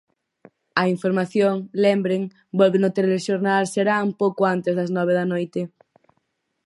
A información, lembren, volve no Telexornal Serán pouco antes das nove da noite.